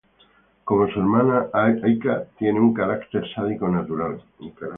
Como su hermana, Aika tiene un carácter sádico natural.